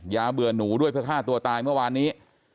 เบื่อหนูด้วยเพื่อฆ่าตัวตายเมื่อวานนี้